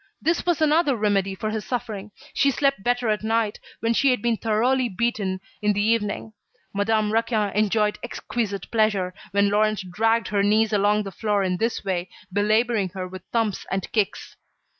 This was another remedy for her suffering. She slept better at night when she had been thoroughly beaten in the evening. Madame Raquin enjoyed exquisite pleasure, when Laurent dragged her niece along the floor in this way, belabouring her with thumps and kicks.